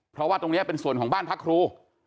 เพราะว่าตรงนี้เป็นส่วนของบ้านพักครู